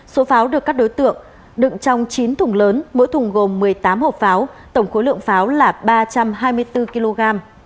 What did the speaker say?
số pháo được các đối tượng đựng trong chín thùng lớn mỗi thùng gồm một mươi tám hộp pháo tổng khối lượng pháo là ba trăm hai mươi bốn kg